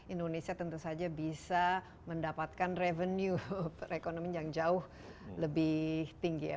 indonesia tentu saja bisa mendapatkan revenue ekonomi yang jauh lebih tinggi ya